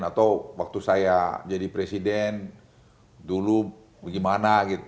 atau waktu saya jadi presiden dulu gimana gitu